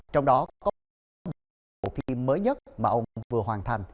trong đó có ba bộ phim mới nhất mà ông vừa hoàn thành